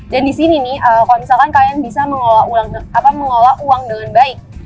dan di sini nih kalau misalkan kalian bisa mengelola uang dengan baik